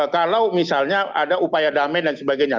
kalau misalnya ada upaya damai dan sebagainya